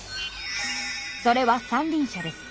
それは三輪車です。